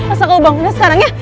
elsa kamu bangunnya sekarang ya